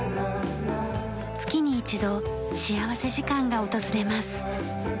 月に一度幸福時間が訪れます。